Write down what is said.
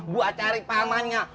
gua cari pamannya